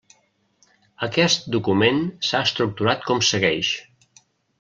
Aquest document s'ha estructurat com segueix.